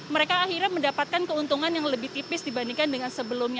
mereka akhirnya mendapatkan keuntungan yang lebih tipis dibandingkan dengan sebelumnya